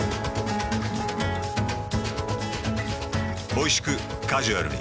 おいしくカジュアルに。